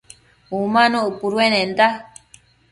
Umanuc capuenda